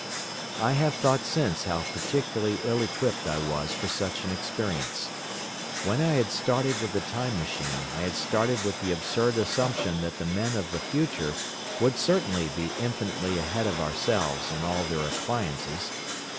"I have thought since how particularly ill equipped I was for such an experience. When I had started with the Time Machine, I had started with the absurd assumption that the men of the Future would certainly be infinitely ahead of ourselves in all their appliances.